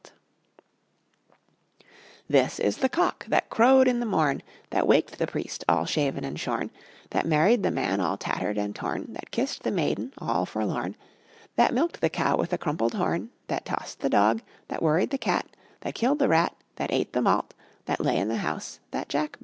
This is the Cock that crowed in the morn That waked the Priest all shaven and shorn, That married the Man all tattered and torn, That kissed the Maiden all forlorn, That milked the Cow with the crumpled horn, That tossed the Dog, That worried the Cat, That killed the Rat, That ate the Malt, That lay in the House that Jack built.